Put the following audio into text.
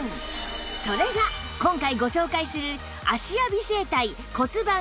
それが今回ご紹介する